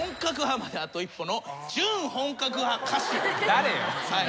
誰よ？